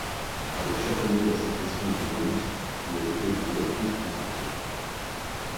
Avec chaque année la sécrétion du mollusque y ajoutait de nouvelles couches concentriques.